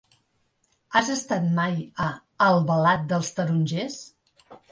Has estat mai a Albalat dels Tarongers?